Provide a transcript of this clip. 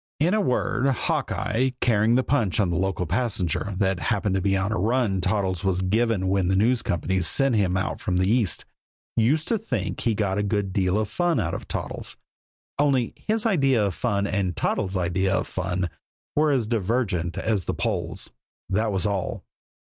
In a word, Hawkeye, carrying the punch on the local passenger, that happened to be the run Toddles was given when the News Company sent him out from the East, used to think he got a good deal of fun out of Toddles only his idea of fun and Toddles' idea of fun were as divergent as the poles, that was all.